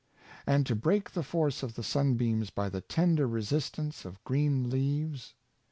And to break the force of the sunbeams by the tender resist ance of green leaves?